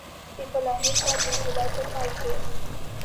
د فلاني کال د جولای په پای کې.